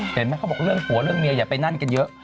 เห็นไหมเขาบอกว่าหัวเรื่องเมียอย่าไปนั่นกันเยอะ